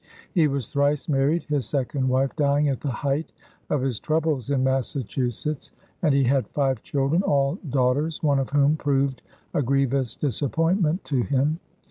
He was thrice married, his second wife dying at the height of his troubles in Massachusetts, and he had five children, all daughters, one of whom proved a grievous disappointment to him.